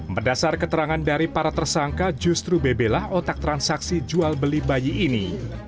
berdasar keterangan dari para tersangka justru bebelah otak transaksi jual beli bayi ini